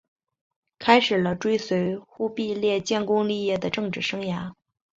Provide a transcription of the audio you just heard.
开始了追随忽必烈建功立业的政治生涯。